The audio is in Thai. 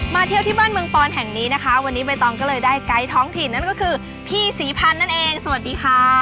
เที่ยวที่บ้านเมืองปอนแห่งนี้นะคะวันนี้ใบตองก็เลยได้ไกด์ท้องถิ่นนั่นก็คือพี่ศรีพันธ์นั่นเองสวัสดีค่ะ